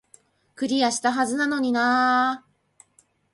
クリアしたはずなのになー